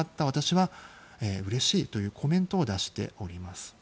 私はうれしいというコメントを出しております。